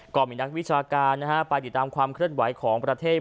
ก็มีนักวิชาการนะฮะไปติดตามความเคลื่อนไหวของประเทศ